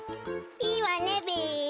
いいわねべ。